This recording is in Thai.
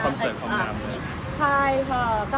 มีความเสื่อมของน้ำ